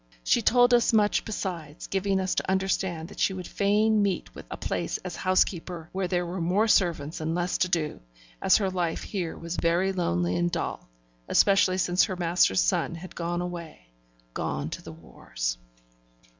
She told us much besides, giving us to understand that she would fain meet with a place as housekeeper where there were more servants and less to do, as her life here was very lonely and dull, especially since her master's son had gone away gone to the wars.